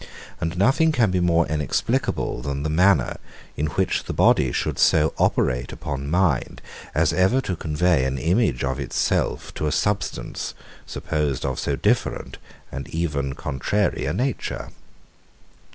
And nothing can be more inexplicable than the manner, in which body should so operate upon mind as ever to convey an image of itself to a substance, supposed of so different, and even contrary a nature.